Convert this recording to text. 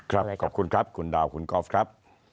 ขอบคุณครับคุณดาวคุณกอล์ฟครับ